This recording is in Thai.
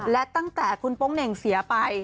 และตั้งแต่คุณโป๊งเหน่งเสียไป